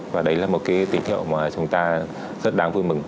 và đấy là một cái tín hiệu mà chúng ta rất đáng vui mừng